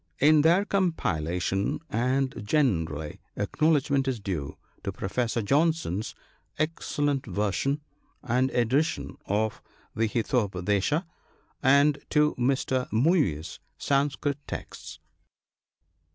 In their compilation, and generally, acknowledgment is due to Professor Johnson's excellent version and edition of the " Hitopadesa," and to Mr. Muir's " Sanskrit Texts."